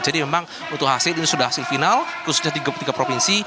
jadi memang untuk hasil ini sudah hasil final khususnya tiga puluh tiga provinsi